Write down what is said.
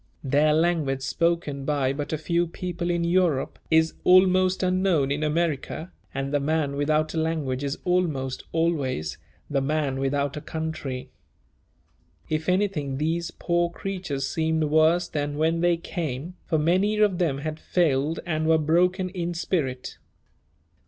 Their language, spoken by but a few people in Europe, is almost unknown in America, and the man without a language is almost always "the man without a country." If anything, these poor creatures seemed worse than when they came, for many of them had failed and were broken in spirit.